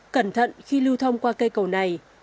cẩn thận khi lưu thông qua cây cầu này